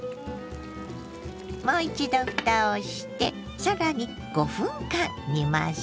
もう一度ふたをして更に５分間煮ましょう。